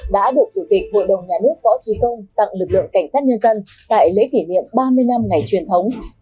đã được chủ tịch hội đồng nhà nước võ trí công tặng lực lượng cảnh sát nhân dân tại lễ kỷ niệm ba mươi năm ngày truyền thống